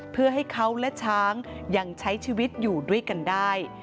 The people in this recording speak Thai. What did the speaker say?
เพื่อให้เขาและช้างยังใช้ชีวิตอยู่ด้วยกันได้